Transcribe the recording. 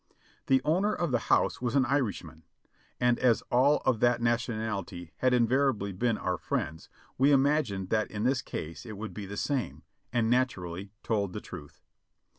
' The owner of the house was an Irishman, and as all of that nationality had invariably been our friends, we imagined that in this case it would be the same, and naturally told the truth.